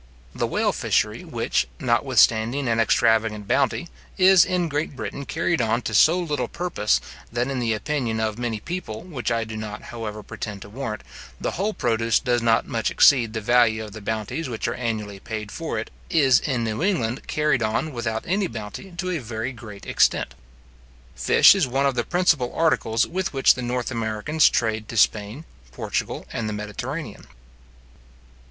The whale fishery which, notwithstanding an extravagant bounty, is in Great Britain carried on to so little purpose, that in the opinion of many people ( which I do not, however, pretend to warrant), the whole produce does not much exceed the value of the bounties which are annually paid for it, is in New England carried on, without any bounty, to a very great extent. Fish is one of the principal articles with which the North Americans trade to Spain, Portugal, and the Mediterranean.